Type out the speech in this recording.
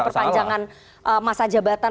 perpanjangan masa jabatan